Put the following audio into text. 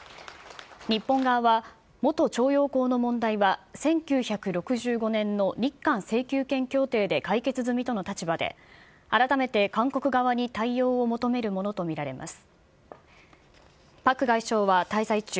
日本側は、元徴用工の問題は１９６５年の日韓請求権協定で解決済みとの立場で、改めて韓国側に対応を求めるものと見られます。